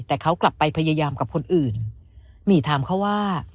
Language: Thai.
แต่เขากลับไปพยายามกับคนอื่นหมี่ถามเขาว่า